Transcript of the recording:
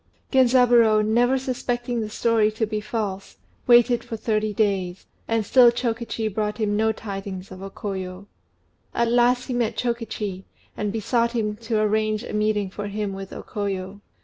Genzaburô, never suspecting the story to be false, waited for thirty days, and still Chokichi brought him no tidings of O Koyo. At last he met Chokichi, and besought him to arrange a meeting for him with O Koyo.